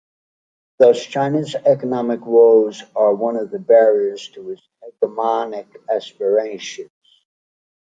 Thus, China's economic woes are one of the barriers to its hegemonic aspirations.